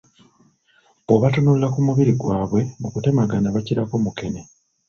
Bw‘obatunuulira ku mubiri gyabwe mukutemagana bakirako mukene.